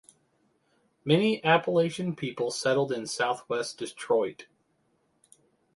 Many Appalachian people settled in southwest Detroit.